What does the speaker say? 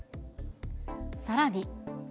さらに。